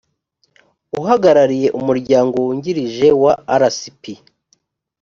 uhagarariye umuryango wungirije wa rcp